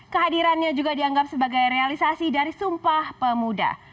kehadirannya juga dianggap sebagai realisasi dari sumpah pemuda